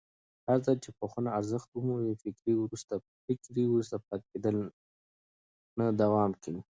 هرځل چې پوهنه ارزښت ومومي، فکري وروسته پاتې کېدل نه دوام کوي.